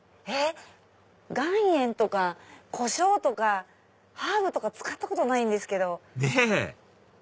岩塩とかこしょうとかハーブとか使ったことないんです。ねぇ！